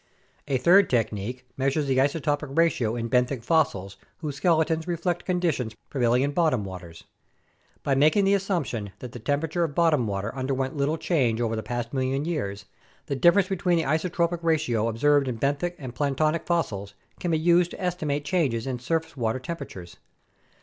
A third technique measures the isotopic ratio in benthic fossils whose skeletons reflect conditions prevailing in bottom waters. By making the assumption that the temperature of bottom water underwent little change over the past million years, the difference between the isotopic ratio observed in benthic and planktonic fossils can be used to estimate changes in surface water temperatures.